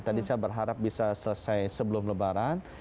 tadi saya berharap bisa selesai sebelum lebaran